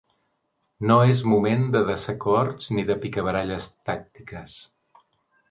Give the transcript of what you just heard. No és moment de desacords ni de picabaralles tàctiques.